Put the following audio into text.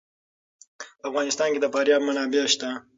په افغانستان کې د فاریاب منابع شته.